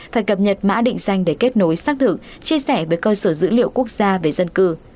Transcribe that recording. phải cập nhật mã định danh để kết nối xác thực chia sẻ với cơ sở dữ liệu quốc gia về dân cư